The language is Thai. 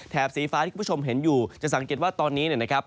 แถบสีฟ้าที่คุณผู้ชมเห็นอยู่จะสังเกตว่าตอนนี้